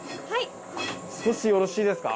はい。